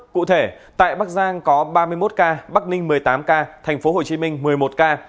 cụ thể tại bắc giang có ba mươi một ca bắc ninh một mươi tám ca tp hcm một mươi một ca